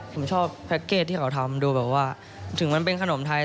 ผมชอบแพ็กเกจที่เขาทำดูแบบว่าถึงมันเป็นขนมไทย